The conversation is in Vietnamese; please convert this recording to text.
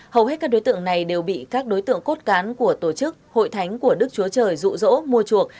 hầu hết các đối tượng này đều bị các đối tượng cốt cán của tổ chức hội thánh của đức chúa trời rụ rỗ mua chuộc